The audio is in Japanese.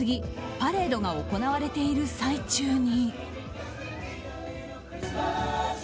パレードが行われている最中に。